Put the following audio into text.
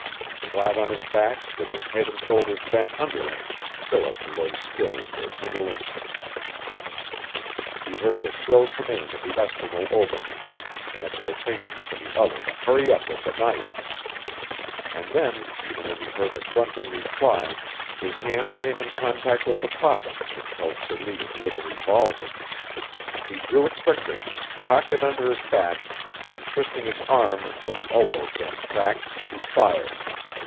Flat on his back, with his head and shoulders bent under him, Philip lay still for a single instant. He heard the shrill command of the Eskimo over him an exhortation for the other to hurry up with the knife. And then, even as he heard a grunting reply, his hand came in contact with the pocket which held Celie's little revolver. He drew it quickly, cocked it under his back, and twisting his arm until the elbow joint cracked, he fired.